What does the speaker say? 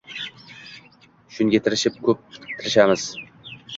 Shunga tirishib, ko‘p tirmashamiz.